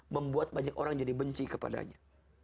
membuat banyak orang jadi benci kepadanya